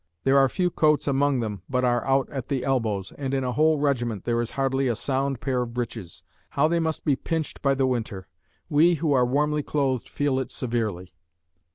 There are few coats among them but are out at the elbows and in a whole regiment, there is hardly a sound pair of breeches. How they must be pinched by the winter! We, who are warmly clothed, feel it severely."